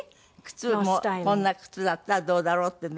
靴もこんな靴だったらどうだろうっていうので。